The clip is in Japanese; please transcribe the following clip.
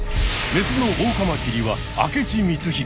メスのオオカマキリは明智光秀。